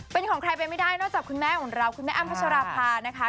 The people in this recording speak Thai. เป็นของใครไปไม่ได้นอกจากคุณแม่ของเราคุณแม่อ้ำพัชราภานะคะ